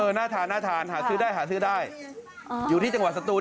หน้าทานนะหาซื้อได้อยู่ที่จังหวัดสตูน